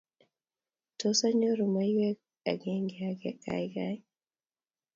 Tos, anyoru maywek agenge age, gaigai?